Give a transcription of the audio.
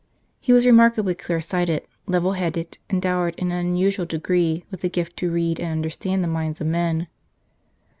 He was remarkably clear sighted, level headed, and dowered in an unusual degree with the gift to read and understand the minds of men.